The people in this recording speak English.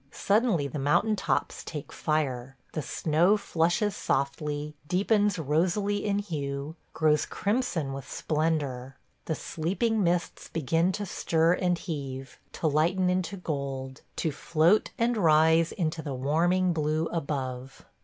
Suddenly the mountain tops take fire; the snow flushes softly, deepens rosily in hue, grows crimson with splendor; the sleeping mists begin to stir and heave, to lighten into gold, to float and rise into the warming blue above.